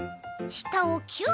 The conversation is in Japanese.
したをキュッ。